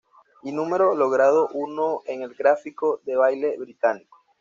Y número logrado uno en el Gráfico de Baile británico.